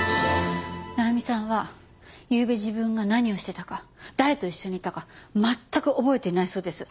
成実さんはゆうべ自分が何をしてたか誰と一緒にいたか全く覚えていないそうです。